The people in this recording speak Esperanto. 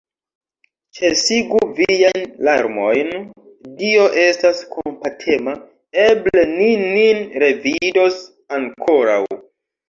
Ĉesigu viajn larmojn, Dio estas kompatema, eble ni nin revidos ankoraŭ!